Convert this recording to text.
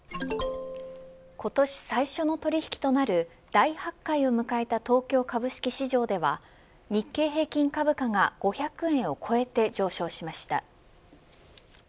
今年最初の取引きとなる大発会を迎えた東京株式市場では日経平均株価が５００円を超えて上昇しました。